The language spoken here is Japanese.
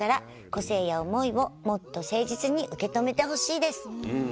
個性や思いを、もっと誠実に受け止めてほしいです」。